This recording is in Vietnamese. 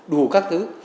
đủ các thứ